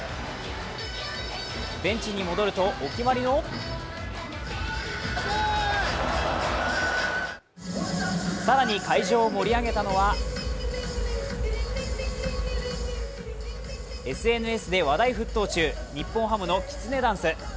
ベンチに戻るとお決まりのそして会場を一層盛り上げたのはＳＮＳで話題沸騰中、日本ハムのきねつダンス。